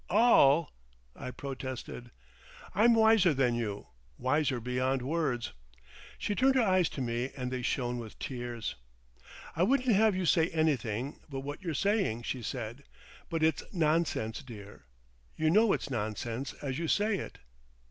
"All!" I protested. "I'm wiser than you. Wiser beyond words." She turned her eyes to me and they shone with tears. "I wouldn't have you say anything—but what you're saying," she said. "But it's nonsense, dear. You know it's nonsense as you say it."